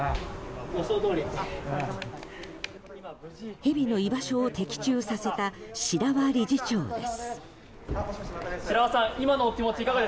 ヘビの居場所を的中させた白輪理事長です。